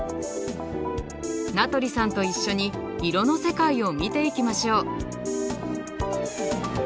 名取さんと一緒に色の世界を見ていきましょう。